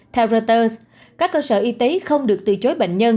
theo reuters các cơ sở y tế không được từ chối bệnh nhân